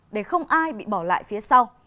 để không ai bị bỏ lại phía sau